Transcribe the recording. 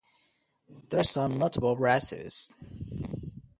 There are some notable brasses.